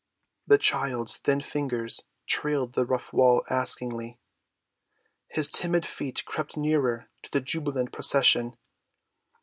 The child's thin fingers trailed the rough wall askingly; his timid feet crept nearer to the jubilant procession.